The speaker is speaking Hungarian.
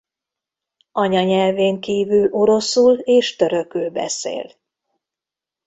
Anyanyelvén kívül oroszul és törökül beszél.